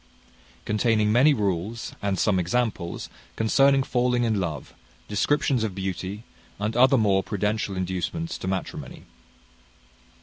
Containing many rules, and some examples, concerning falling in love: descriptions of beauty, and other more prudential inducements to matrimony.